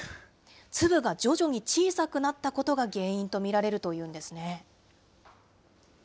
粒が徐々に小さくなったことが原因と見られるというんですね。